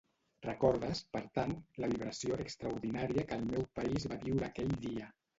Recordes, per tant, la vibració extraordinària que el meu país va viure aquell dia.